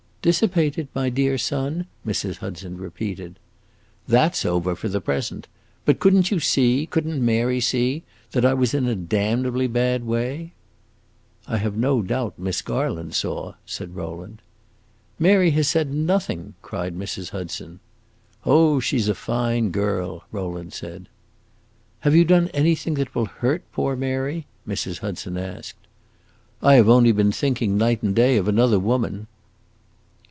"Dissipated, my dear son?" Mrs. Hudson repeated. "That 's over for the present! But could n't you see could n't Mary see that I was in a damnably bad way?" "I have no doubt Miss Garland saw," said Rowland. "Mary has said nothing!" cried Mrs. Hudson. "Oh, she 's a fine girl!" Rowland said. "Have you done anything that will hurt poor Mary?" Mrs. Hudson asked. "I have only been thinking night and day of another woman!"